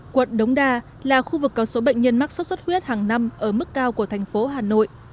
quận đống đa là khu vực có số bệnh nhân mắc sốt xuất huyết hàng năm ở mức cao của thành phố hà nội